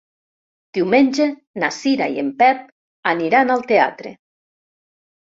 Diumenge na Cira i en Pep aniran al teatre.